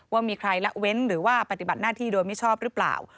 ว่ามีใครละเว้นหรือว่าปฏิบัติหน้าที่โดยมิชอบหรือเปล่า